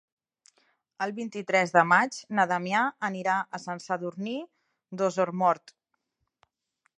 El vint-i-tres de maig na Damià anirà a Sant Sadurní d'Osormort.